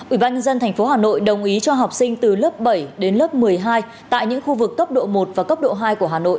ubnd tp hà nội đồng ý cho học sinh từ lớp bảy đến lớp một mươi hai tại những khu vực cấp độ một và cấp độ hai của hà nội